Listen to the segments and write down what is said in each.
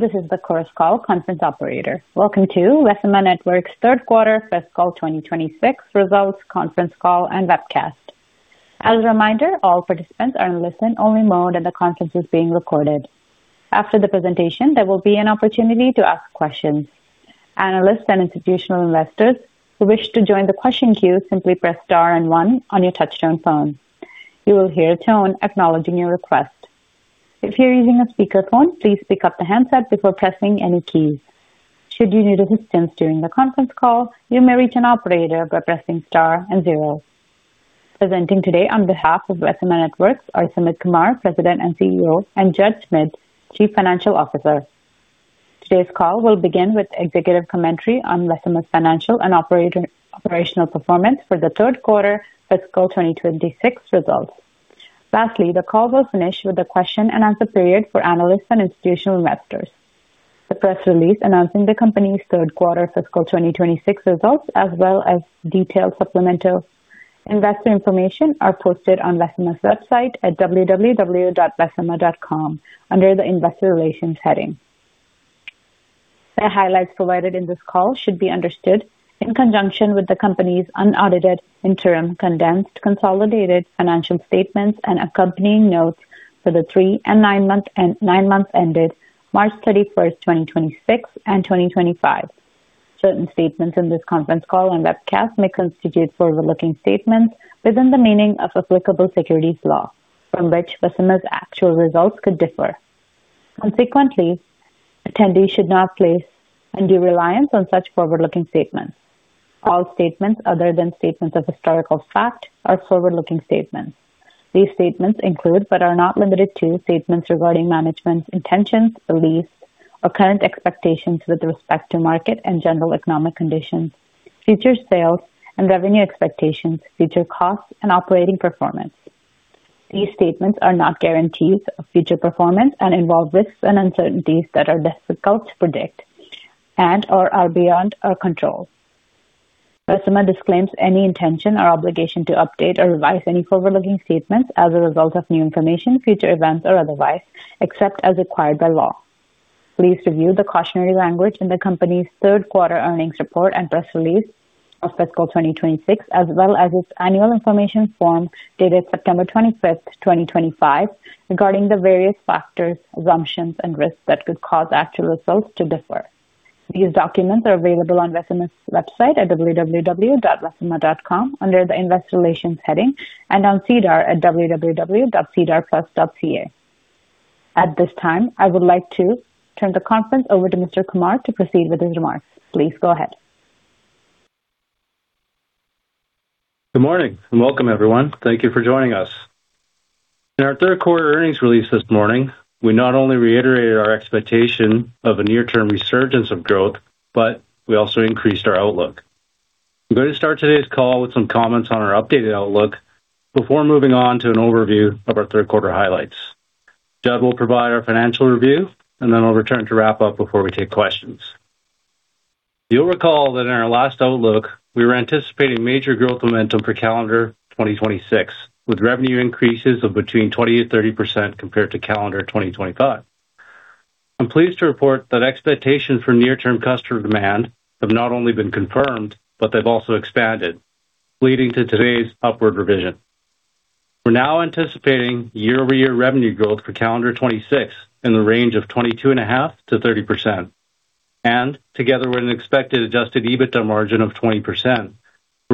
Welcome to Vecima Networks Third Quarter Fiscal 2026 Results Conference Call and Webcast. As a reminder, all participants are in listen-only mode, and the conference is being recorded. After the presentation, there will be an opportunity to ask questions. Presenting today on behalf of Vecima Networks are Sumit Kumar, President and CEO, and Judd Schmid, Chief Financial Officer. Today's call will begin with executive commentary on Vecima's financial and operational performance for the third quarter fiscal 2026 results. Lastly, the call will finish with a question-and-answer period for analysts and institutional investors. The press release announcing the company's Third Quarter Fiscal 2026 Results, as well as detailed supplemental investor information, are posted on Vecima's website at www.vecima.com under the investor relations heading. The highlights provided in this call should be understood in conjunction with the company's unaudited interim condensed consolidated financial statements and accompanying notes for the three and nine months ended March 31st, 2026 and 2025. Certain statements in this conference call and webcast may constitute forward-looking statements within the meaning of applicable securities law from which Vecima's actual results could differ. Consequently, attendees should not place undue reliance on such forward-looking statements. All statements other than statements of historical fact are forward-looking statements. These statements include, but are not limited to, statements regarding management's intentions, beliefs, or current expectations with respect to market and general economic conditions, future sales and revenue expectations, future costs and operating performance. These statements are not guarantees of future performance and involve risks and uncertainties that are difficult to predict and/or are beyond our control. Vecima disclaims any intention or obligation to update or revise any forward-looking statements as a result of new information, future events or otherwise, except as required by law. Please review the cautionary language in the company's third quarter earnings report and press release of fiscal 2026, as well as its annual information form dated September 25th, 2025, regarding the various factors, assumptions and risks that could cause actual results to differ. These documents are available on Vecima's website at www.vecima.com under the investor relations heading and on SEDAR at www.sedarplus.ca. At this time, I would like to turn the conference over to Mr. Kumar to proceed with his remarks. Please go ahead. Good morning and welcome, everyone. Thank you for joining us. In our Third Quarter Earnings Release this morning, we not only reiterated our expectation of a near-term resurgence of growth, but we also increased our outlook. I'm going to start today's call with some comments on our updated outlook before moving on to an overview of our third quarter highlights. Judd will provide our financial review, and then I'll return to wrap up before we take questions. You'll recall that in our last outlook, we were anticipating major growth momentum for calendar 2026, with revenue increases of between 20%-30% compared to calendar 2025. I'm pleased to report that expectations for near-term customer demand have not only been confirmed, but they've also expanded, leading to today's upward revision. We're now anticipating year-over-year revenue growth for calendar 2026 in the range of 22.5%-30%. Together with an expected adjusted EBITDA margin of 20%,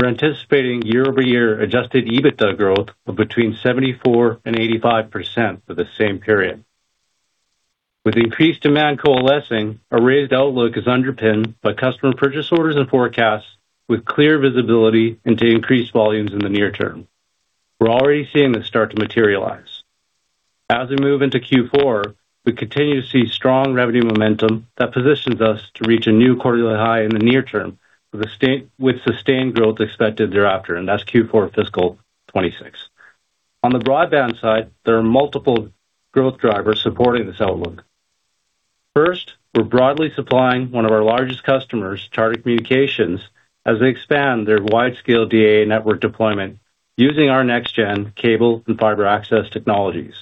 we're anticipating year-over-year adjusted EBITDA growth of between 74% and 85% for the same period. With increased demand coalescing, our raised outlook is underpinned by customer purchase orders and forecasts with clear visibility into increased volumes in the near term. We're already seeing this start to materialize. As we move into Q4, we continue to see strong revenue momentum that positions us to reach a new quarterly high in the near term with sustained growth expected thereafter, and that's Q4 fiscal 2026. On the broadband side, there are multiple growth drivers supporting this outlook. First, we're broadly supplying one of our largest customers, Charter Communications, as they expand their widescale DAA network deployment using our next-gen cable and fiber access technologies.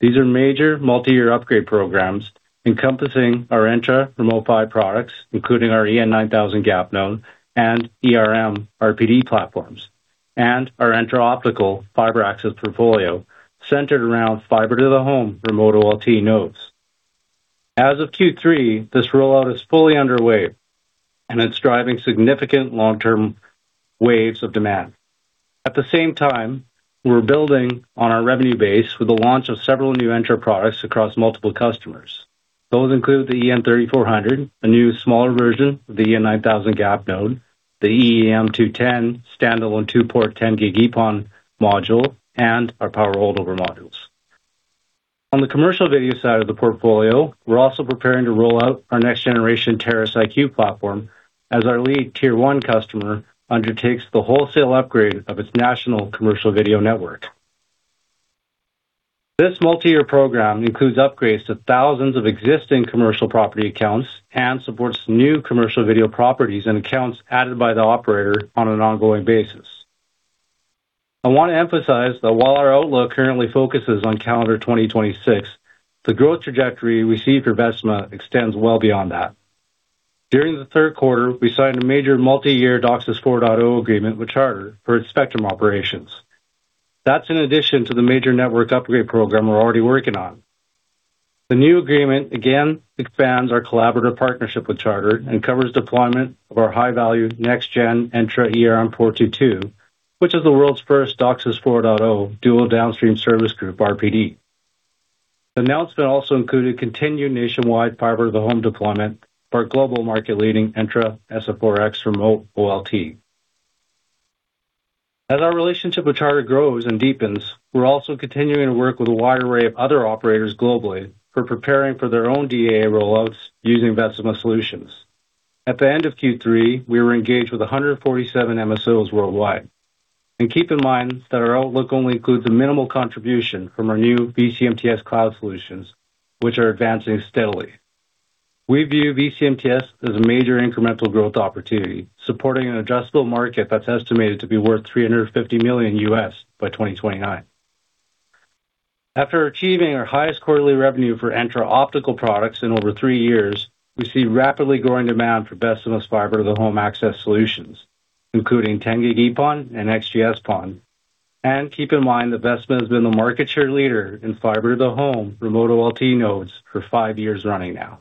These are major multi-year upgrade programs encompassing our Entra Remote PHY products, including our EN9000 GAP node and ERM RPD platforms, and our Entra Optical Fiber Access portfolio centered around fiber to the home Remote OLT nodes. As of Q3, this rollout is fully underway, and it's driving significant long-term waves of demand. At the same time, we're building on our revenue base with the launch of several new Entra products across multiple customers. Those include the EN3400, a new smaller version of the EN9000 GAP node, the EEM210 standalone two-port 10G EPON module, and our Power Holdover Modules. On the commercial video side of the portfolio, we're also preparing to roll out our next generation Terrace IQ platform as our lead tier 1 customer undertakes the wholesale upgrade of its national commercial video network. This multi-year program includes upgrades to thousands of existing commercial property accounts and supports new commercial video properties and accounts added by the operator on an ongoing basis. I want to emphasize that while our outlook currently focuses on calendar 2026, the growth trajectory we see for Vecima extends well beyond that. During the third quarter, we signed a major multi-year DOCSIS 4.0 agreement with Charter for its Spectrum operations. That's in addition to the major network upgrade program we're already working on. The new agreement again expands our collaborative partnership with Charter and covers deployment of our high-value next-gen Entra ERM422, which is the world's first DOCSIS 4.0 dual downstream service group RPD. The announcement also included continued nationwide fiber to the home deployment for our global market-leading Entra SF-4X Remote OLT. As our relationship with Charter grows and deepens, we're also continuing to work with a wide array of other operators globally who are preparing for their own DAA rollouts using Vecima solutions. At the end of Q3, we were engaged with 147 MSOs worldwide. Keep in mind that our outlook only includes a minimal contribution from our new vCMTS cloud solutions, which are advancing steadily. We view vCMTS as a major incremental growth opportunity, supporting an adjustable market that's estimated to be worth $350 million by 2029. After achieving our highest quarterly revenue for Entra Optical products in over three years, we see rapidly growing demand for Vecima's fiber-to-the-home access solutions, including 10G-EPON and XGS-PON. Keep in mind that Vecima has been the market share leader in fiber-to-the-home Remote OLT nodes for five years running now.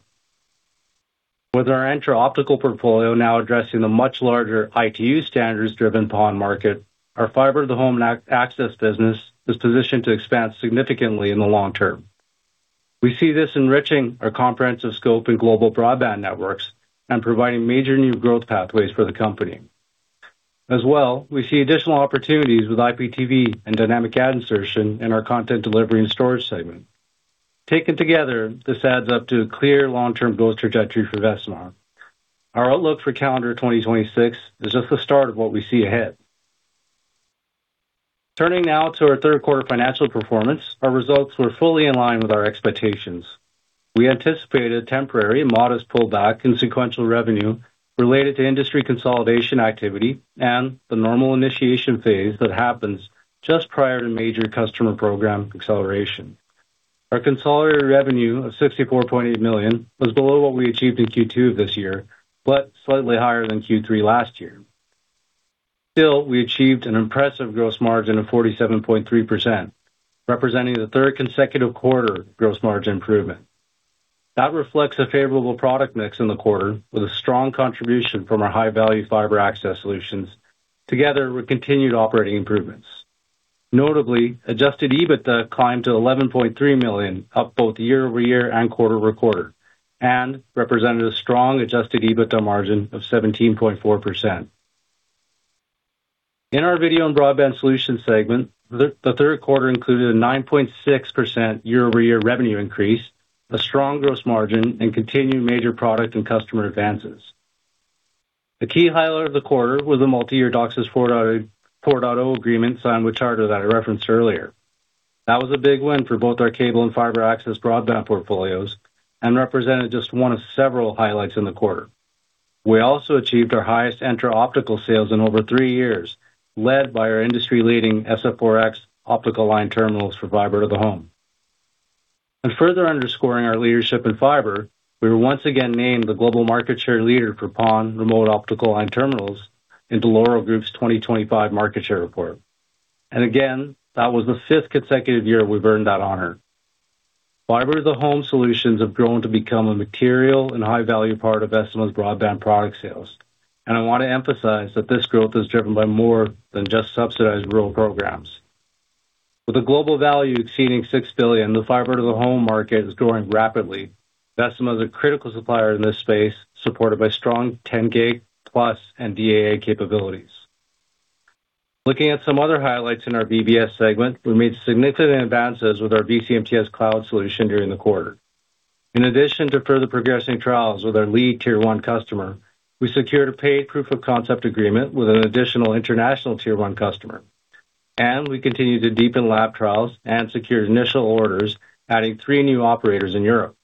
With our Entra Optical portfolio now addressing the much larger ITU standards-driven PON market, our fiber-to-the-home access business is positioned to expand significantly in the long term. We see this enriching our comprehensive scope in global broadband networks and providing major new growth pathways for the company. As well, we see additional opportunities with IPTV and dynamic ad insertion in our Content Delivery and Storage segment. Taken together, this adds up to a clear long-term growth trajectory for Vecima. Our outlook for calendar 2026 is just the start of what we see ahead. Turning now to our third quarter financial performance, our results were fully in line with our expectations. We anticipated temporary modest pullback in sequential revenue related to industry consolidation activity and the normal initiation phase that happens just prior to major customer program acceleration. Our consolidated revenue of 64.8 million was below what we achieved in Q2 of this year, but slightly higher than Q3 last year. Still, we achieved an impressive gross margin of 47.3%, representing the third consecutive quarter gross margin improvement. That reflects a favorable product mix in the quarter, with a strong contribution from our high-value fiber access solutions together with continued operating improvements. Notably, adjusted EBITDA climbed to 11.3 million, up both year-over-year and quarter-over-quarter, and represented a strong adjusted EBITDA margin of 17.4%. In our Video and Broadband Solutions segment, the third quarter included a 9.6% year-over-year revenue increase, a strong gross margin, and continued major product and customer advances. The key highlight of the quarter was a multi-year DOCSIS 4.0 agreement signed with Charter that I referenced earlier. That was a big win for both our cable and fiber access broadband portfolios and represented just one of several highlights in the quarter. We also achieved our highest Entra Optical sales in over three years, led by our industry-leading SF-4X optical line terminals for fiber to the home. Further underscoring our leadership in fiber, we were once again named the global market share leader for PON remote optical line terminals in Dell'Oro Group's 2025 market share report. Again, that was the fifth consecutive year we've earned that honor. Fiber to the home solutions have grown to become a material and high-value part of Vecima's broadband product sales. I want to emphasize that this growth is driven by more than just subsidized rural programs. With a global value exceeding 6 billion, the fiber to the home market is growing rapidly. Vecima is a critical supplier in this space, supported by strong 10G plus and DAA capabilities. Looking at some other highlights in our VBS segment, we made significant advances with our vCMTS cloud solution during the quarter. In addition to further progressing trials with our lead tier 1 customer, we secured a paid proof of concept agreement with an additional international tier 1 customer. We continue to deepen lab trials and secure initial orders, adding three new operators in Europe.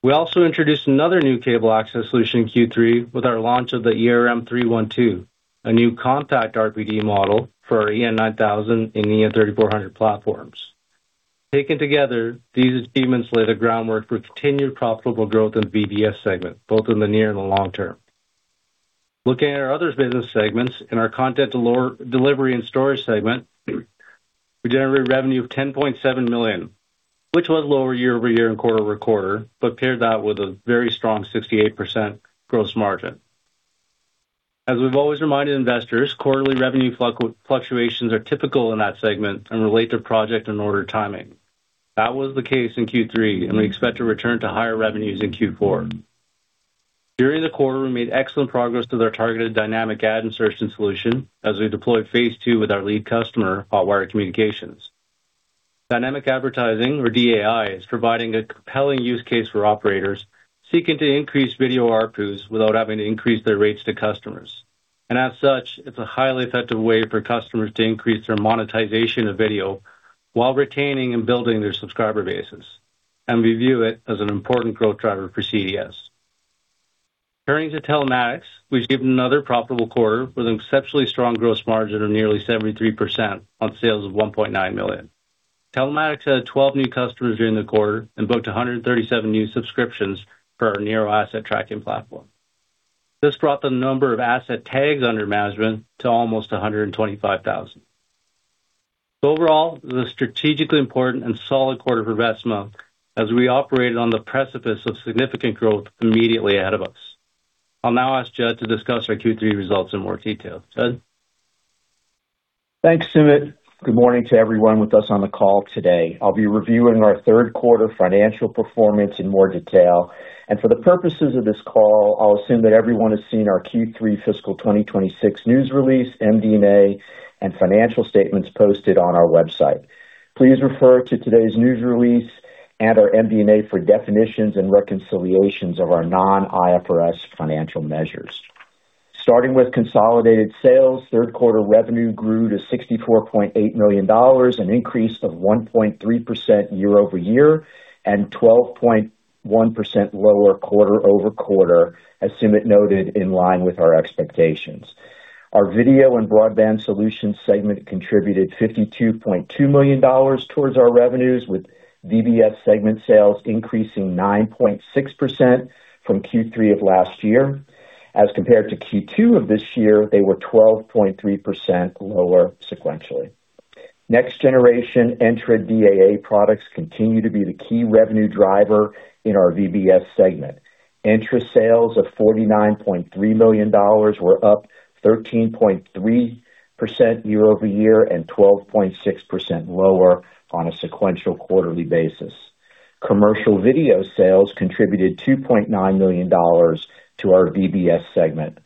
We also introduced another new cable access solution in Q3 with our launch of the ERM312, a new compact RPD module for our EN9000 and EN3400 platforms. Taken together, these achievements lay the groundwork for continued profitable growth in the VBS segment, both in the near and the long term. Looking at our other business segments, in our Content Delivery and Storage segment, we generated revenue of 10.7 million, which was lower year-over-year and quarter-over-quarter, but paired that with a very strong 68% gross margin. As we've always reminded investors, quarterly revenue fluctuations are typical in that segment and relate to project and order timing. That was the case in Q3, and we expect to return to higher revenues in Q4. During the quarter, we made excellent progress with our targeted dynamic ad insertion solution as we deployed phase II with our lead customer, Hotwire Communications. Dynamic advertising or DAI is providing a compelling use case for operators seeking to increase video ARPU without having to increase their rates to customers. As such, it's a highly effective way for customers to increase their monetization of video while retaining and building their subscriber bases. We view it as an important growth driver for CDS. Turning to Telematics, we've given another profitable quarter with an exceptionally strong gross margin of nearly 73% on sales of 1.9 million. Telematics had 12 new customers during the quarter and booked 137 new subscriptions for our NERO asset tracking platform. This brought the number of asset tags under management to almost 125,000. Overall, it was a strategically important and solid quarter for Vecima as we operated on the precipice of significant growth immediately ahead of us. I'll now ask Judd to discuss our Q3 results in more detail. Judd? Thanks, Sumit. Good morning to everyone with us on the call today. I'll be reviewing our third quarter financial performance in more detail. For the purposes of this call, I'll assume that everyone has seen our Q3 fiscal 2026 news release, MD&A, and financial statements posted on our website. Please refer to today's news release and our MD&A for definitions and reconciliations of our non-IFRS financial measures. Starting with consolidated sales, third quarter revenue grew to 64.8 million dollars, an increase of 1.3% year-over-year and 12.1% lower quarter-over-quarter, as Sumit noted, in line with our expectations. Our Video and Broadband Solutions segment contributed 52.2 million dollars towards our revenues, with VBS segment sales increasing 9.6% from Q3 of last year. As compared to Q2 of this year, they were 12.3% lower sequentially. Next generation Entra DAA products continue to be the key revenue driver in our VBS segment. Entra sales of 49.3 million dollars were up 13.3% year-over-year and 12.6% lower on a sequential quarterly basis. Commercial video sales contributed 2.9 million dollars to our VBS segment.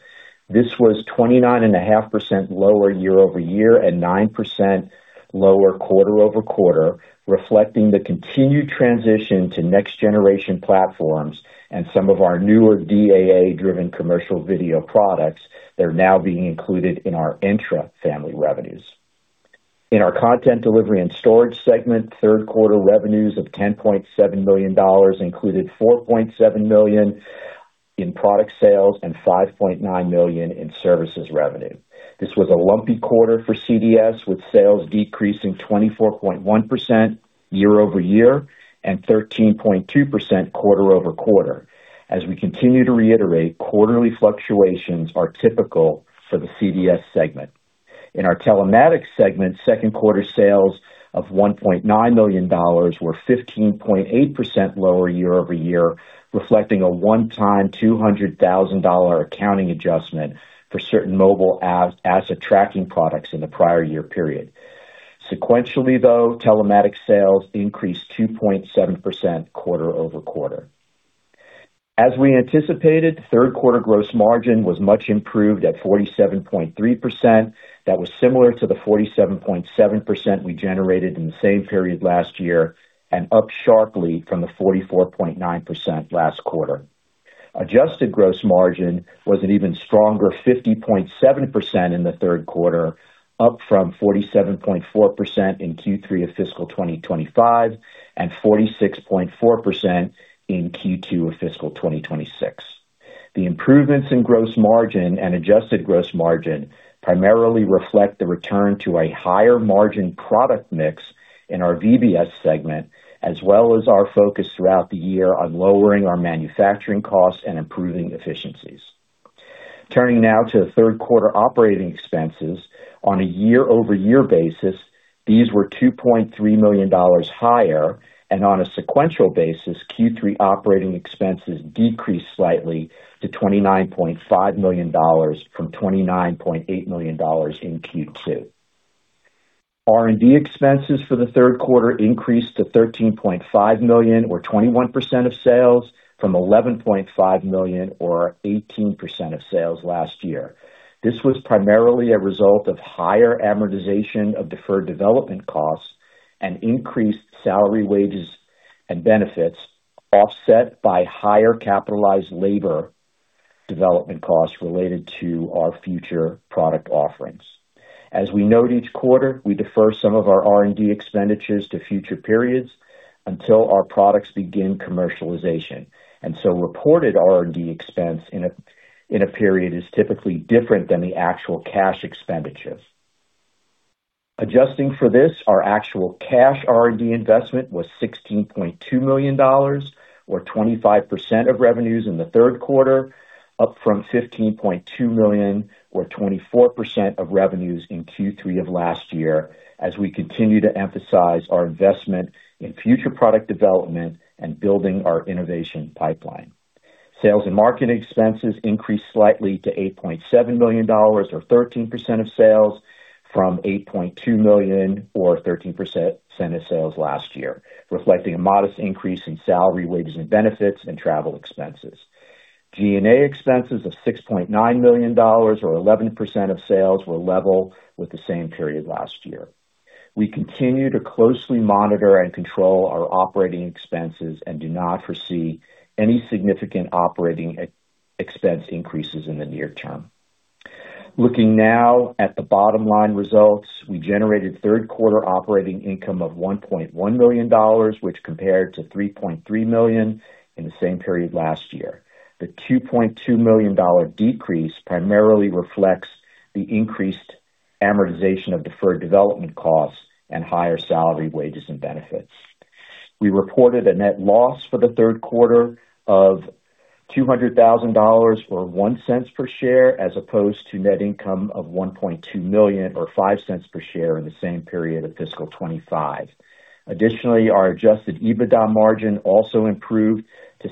This was 29.5% lower year-over-year and 9% lower quarter-over-quarter, reflecting the continued transition to next generation platforms and some of our newer DAA-driven commercial video products that are now being included in our Entra family revenues. In our Content Delivery and Storage segment, third quarter revenues of 10.7 million dollars included 4.7 million in product sales and 5.9 million in services revenue. This was a lumpy quarter for CDS, with sales decreasing 24.1% year-over-year and 13.2% quarter-over-quarter. As we continue to reiterate, quarterly fluctuations are typical for the CDS segment. In our Telematics segment, second quarter sales of 1.9 million dollars were 15.8% lower year-over-year, reflecting a one-time CAD 200,000 accounting adjustment for certain mobile asset tracking products in the prior year period. Sequentially, though, Telematics sales increased 2.7% quarter-over-quarter. As we anticipated, third quarter gross margin was much improved at 47.3%. That was similar to the 47.7% we generated in the same period last year and up sharply from the 44.9% last quarter. Adjusted gross margin was an even stronger 50.7% in the third quarter, up from 47.4% in Q3 of fiscal 2025 and 46.4% in Q2 of fiscal 2026. The improvements in gross margin and adjusted gross margin primarily reflect the return to a higher margin product mix in our VBS segment, as well as our focus throughout the year on lowering our manufacturing costs and improving efficiencies. Turning now to third quarter operating expenses. On a year-over-year basis, these were 2.3 million dollars higher, and on a sequential basis, Q3 operating expenses decreased slightly to 29.5 million dollars from 29.8 million dollars in Q2. R&D expenses for the third quarter increased to 13.5 million or 21% of sales from 11.5 million or 18% of sales last year. This was primarily a result of higher amortization of deferred development costs and increased salary, wages, and benefits, offset by higher capitalized labor development costs related to our future product offerings. As we note each quarter, we defer some of our R&D expenditures to future periods until our products begin commercialization, and so reported R&D expense in a period is typically different than the actual cash expenditures. Adjusting for this, our actual cash R&D investment was 16.2 million dollars or 25% of revenues in the third quarter, up from 15.2 million or 24% of revenues in Q3 of last year, as we continue to emphasize our investment in future product development and building our innovation pipeline. Sales and marketing expenses increased slightly to 8.7 million dollars or 13% of sales from 8.2 million or 13% of sales last year, reflecting a modest increase in salary, wages and benefits and travel expenses. G&A expenses of 6.9 million dollars or 11% of sales were level with the same period last year. We continue to closely monitor and control our operating expenses and do not foresee any significant operating expense increases in the near term. Looking now at the bottom line results. We generated third quarter operating income of 1.1 million dollars, which compared to 3.3 million in the same period last year. The 2.2 million dollar decrease primarily reflects the increased amortization of deferred development costs and higher salary, wages, and benefits. We reported a net loss for the third quarter of 200,000 dollars or 0.01 per share, as opposed to net income of 1.2 million or 0.05 per share in the same period of fiscal 2025. Additionally, our adjusted EBITDA margin also improved to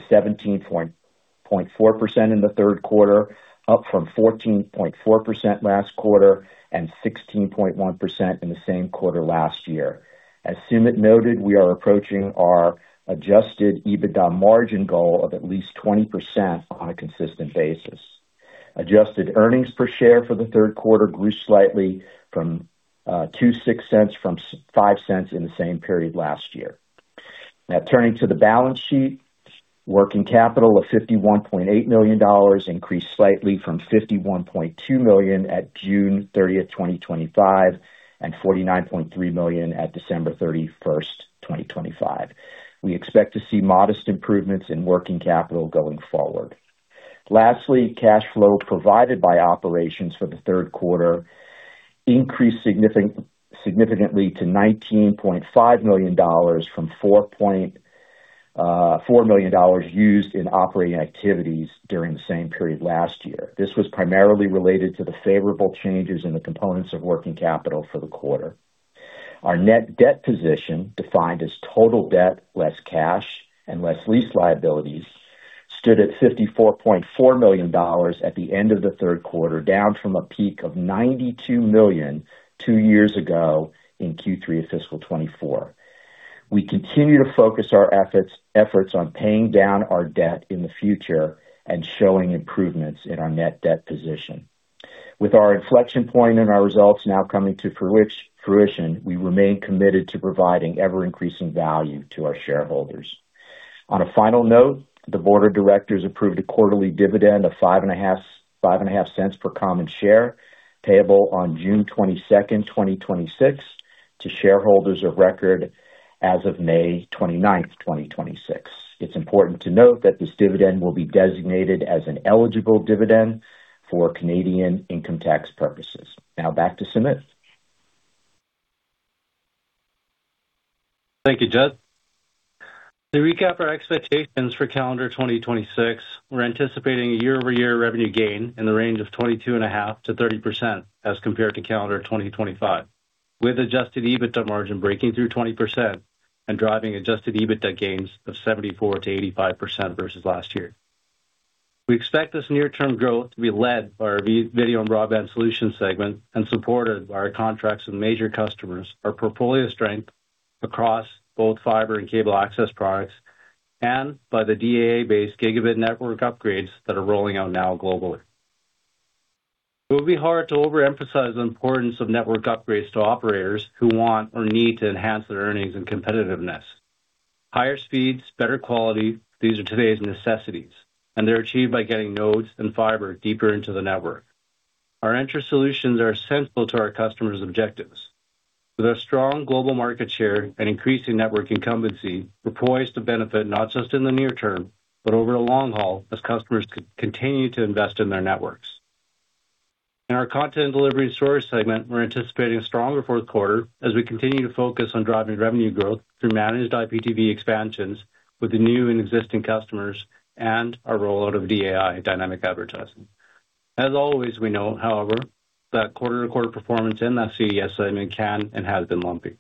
17.4% in the third quarter, up from 14.4% last quarter and 16.1% in the same quarter last year. As Sumit noted, we are approaching our adjusted EBITDA margin goal of at least 20% on a consistent basis. Adjusted earnings per share for the third quarter grew slightly from 0.02, CAD 0.06 from 0.05 in the same period last year. Now turning to the balance sheet. Working capital of 51.8 million dollars increased slightly from 51.2 million at June 30th, 2025, and 49.3 million at December 31st, 2025. We expect to see modest improvements in working capital going forward. Lastly, cash flow provided by operations for the third quarter increased significantly to 19.5 million dollars from 4.4 million dollars used in operating activities during the same period last year. This was primarily related to the favorable changes in the components of working capital for the quarter. Our net debt position, defined as total debt, less cash and less lease liabilities, stood at 54.4 million dollars at the end of the third quarter, down from a peak of 92 million two years ago in Q3 of fiscal 2024. We continue to focus our efforts on paying down our debt in the future and showing improvements in our net debt position. With our inflection point and our results now coming to fruition, we remain committed to providing ever-increasing value to our shareholders. On a final note, the board of directors approved a quarterly dividend of 0.055 per common share payable on June 22nd, 2026 to shareholders of record as of May 29th, 2026. It's important to note that this dividend will be designated as an eligible dividend for Canadian income tax purposes. Now back to Sumit. Thank you, Judd. To recap our expectations for calendar 2026. We're anticipating a year-over-year revenue gain in the range of 22.5%-30% as compared to calendar 2025, with adjusted EBITDA margin breaking through 20% and driving adjusted EBITDA gains of 74%-85% versus last year. We expect this near-term growth to be led by our Video and Broadband Solutions segment and supported by our contracts with major customers, our portfolio strength across both fiber and cable access products, and by the DAA-based gigabit network upgrades that are rolling out now globally. It will be hard to overemphasize the importance of network upgrades to operators who want or need to enhance their earnings and competitiveness. Higher speeds, better quality, these are today's necessities, and they're achieved by getting nodes and fiber deeper into the network. Our Entra solutions are essential to our customers' objectives. With our strong global market share and increasing network incumbency, we're poised to benefit not just in the near term, but over the long haul as customers continue to invest in their networks. In our Content Delivery and Storage segment, we're anticipating a stronger fourth quarter as we continue to focus on driving revenue growth through managed IPTV expansions with the new and existing customers and our rollout of DAI dynamic ad insertion. We know, however, that quarter-to-quarter performance in that CDS segment can and has been lumpy.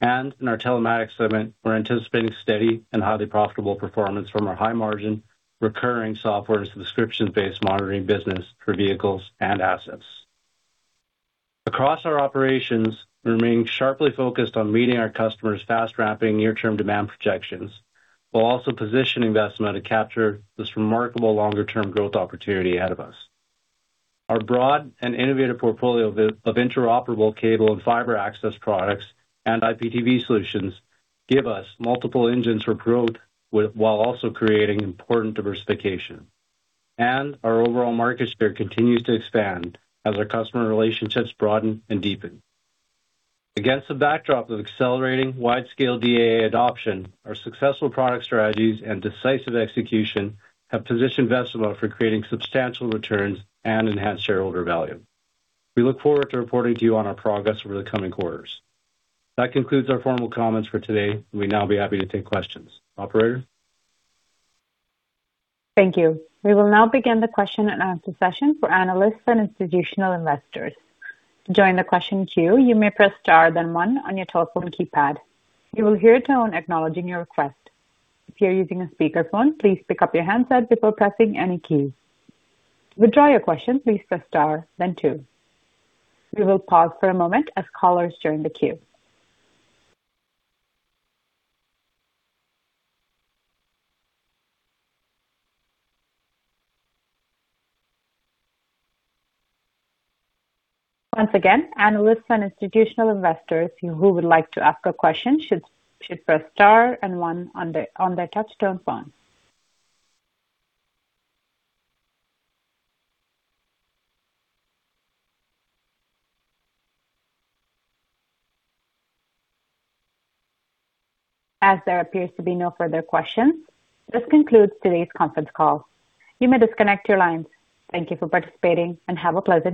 In our Telematics segment, we're anticipating steady and highly profitable performance from our high margin recurring software as a subscription-based monitoring business for vehicles and assets. Across our operations, we remain sharply focused on meeting our customers' fast-ramping near-term demand projections, while also positioning Vecima to capture this remarkable longer-term growth opportunity ahead of us. Our broad and innovative portfolio of interoperable cable and fiber access products and IPTV solutions give us multiple engines for growth while also creating important diversification. Our overall market share continues to expand as our customer relationships broaden and deepen. Against the backdrop of accelerating wide-scale DAA adoption, our successful product strategies and decisive execution have positioned Vecima for creating substantial returns and enhanced shareholder value. We look forward to reporting to you on our progress over the coming quarters. That concludes our formal comments for today. We'll now be happy to take questions. Operator? Thank you. We will now begin the question and answer session for analysts and institutional investors. To join the question queue, you may press star then one on your telephone keypad. You will hear a tone acknowledging your request. If you are using a speakerphone, please pick up your handset before pressing any key. To withdraw your question, please press star then two. We will pause for a moment as callers join the queue. Once again, analysts and institutional investors who would like to ask a question should press star and one on their touchtone phone. There appears to be no further questions, this concludes today's conference call. You may disconnect your lines. Thank you for participating and have a pleasant day.